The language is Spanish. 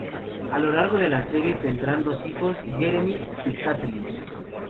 A lo largo de la serie tendrán dos hijos: Jeremy y Kathleen.